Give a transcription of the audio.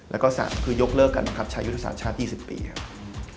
แล้วก็๓คือยกเลิกกันนะครับชายุทธศาสตร์ชาติ๒๐ปีครับ